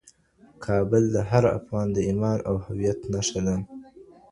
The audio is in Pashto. کابل د هر افغان د ايمان او هویت نښه ده.